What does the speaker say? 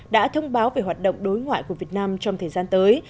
đã thông báo về hoạt động đối ngoại của việt nam trong thời gian tới